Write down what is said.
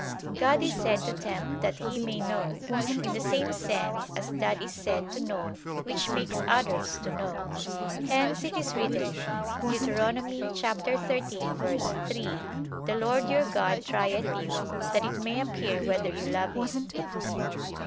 God is said to tempt that He may know, in the same sense as that is said to know which makes others to know. Hence it is written (Deut. 13:3): "The Lord your God trieth you, that it may appear whether you love him."